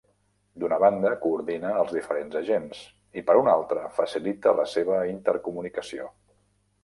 D'una banda, coordina als diferents agents i, per una altra, facilita la seva intercomunicació.